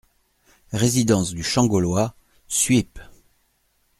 Résidence du Champ Gaulois, Suippes